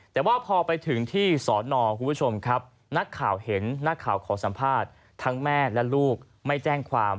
แต่ว่าพอไปถึงที่สอนอคุณผู้ชมครับนักข่าวเห็นนักข่าวขอสัมภาษณ์ทั้งแม่และลูกไม่แจ้งความ